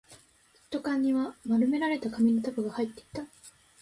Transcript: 一斗缶には丸められた紙の束が入っていた